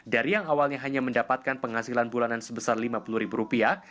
dari yang awalnya hanya mendapatkan penghasilan bulanan sebesar lima puluh ribu rupiah